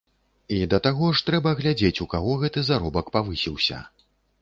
І, да таго ж, трэба глядзець, у каго гэты заробак павысіўся.